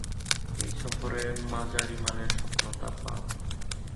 ঐ সফরে মাঝারিমানের সফলতা পান।